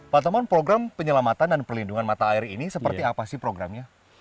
pak taman program penyelamatan dan perlindungan mata air ini seperti apa sih programnya